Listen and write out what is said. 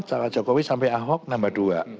cara jokowi sampai ahok nambah dua